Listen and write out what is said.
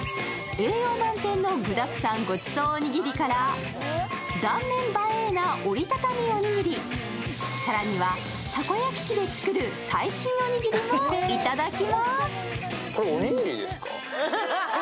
栄養満点の具だくさんごちそうおにぎりから断面映えな折り畳みおにぎり、更にはたこ焼き器で作る最新おにぎりも頂きます。